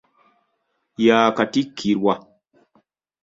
Yaakatikkirwa.